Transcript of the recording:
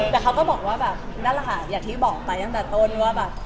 แต่เขาก็บอกว่าแบบนั่นแหละค่ะอย่างที่บอกไปตั้งแต่ต้นว่าแบบ